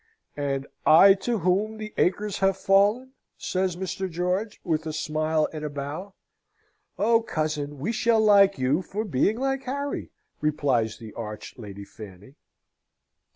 "And I to whom the acres have fallen?" says Mr. George, with a smile and a bow. "Oh, cousin, we shall like you for being like Harry!" replies the arch Lady Fanny.